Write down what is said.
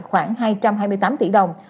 khoảng hai trăm hai mươi tám tỷ đồng